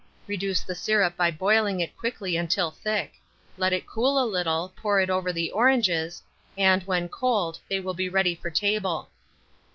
Reduce the syrup by boiling it quickly until thick; let it cool a little, pour it over the oranges, and, when cold, they will be ready for table.